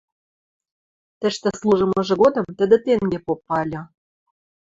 Тӹштӹ служымыжы годым тӹдӹ тенге попа ыльы: